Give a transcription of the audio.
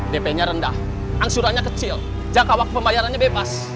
dp nya rendah angsurannya kecil jangka waktu pembayarannya bebas